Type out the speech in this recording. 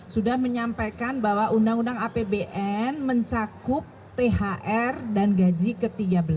sudah menyampaikan bahwa undang undang apbn mencakup thr dan gaji ke tiga belas